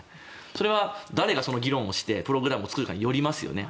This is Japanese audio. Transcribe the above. それは誰が議論をしてプログラムを作るかによりますよね。